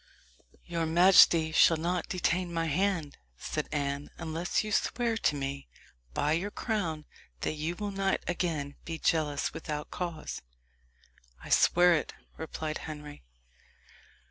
"Your majesty shall not detain my hand," said Anne, "unless you swear to me, by your crown, that you will not again be jealous without cause." "I swear it," replied Henry.